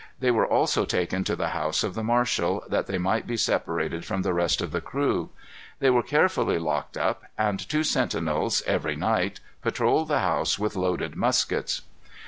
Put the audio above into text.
They were also taken to the house of the marshal, that they might be separated from the rest of the crew. They were carefully locked up, and two sentinels, every night, patrolled the house with loaded muskets.